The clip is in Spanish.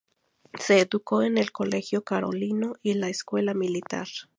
Se educó en el Colegio Carolino y la Escuela Militar.